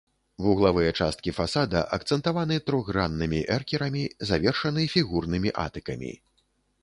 Вуглавыя часткі фасада акцэнтаваны трохграннымі эркерамі, завершаны фігурнымі атыкамі.